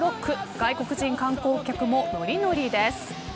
外国人観光客ものりのりです。